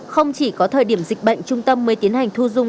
không chỉ có thời điểm dịch bệnh trung tâm mới tiến hành thu dung